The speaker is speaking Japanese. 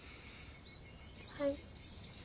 はい。